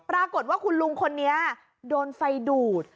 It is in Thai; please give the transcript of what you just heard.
ปรากฏว่าคุณลุงคนนี้โดนไฟดูด